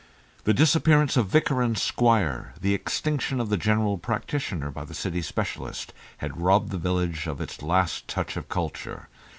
The disappearance of vicar and squire, the extinction of the general practitioner by the city specialist; had robbed the village of its last touch of culture.